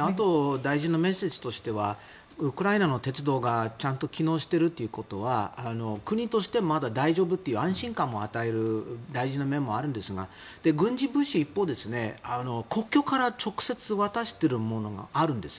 あと大事なメッセージについてはウクライナの鉄道がちゃんと機能しているということは国としてまだ大丈夫という安心感も与える大事な面もあるんですが軍事物資は一方で国境から直接渡しているものがあるんです